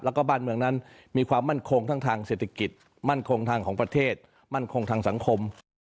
แล้วก็บ้านเมืองนั้นมีความมั่นคงทั้งทางเศรษฐกิจมั่นคงทางของประเทศมั่นคงทางสังคม